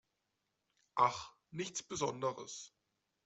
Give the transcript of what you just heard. Ach, nichts Besonderes.